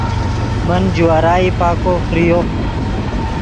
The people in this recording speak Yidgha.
من جوارائی پاکو فریو